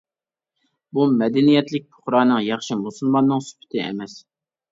بۇ مەدەنىيەتلىك پۇقرانىڭ، ياخشى مۇسۇلماننىڭ سۈپىتى ئەمەس.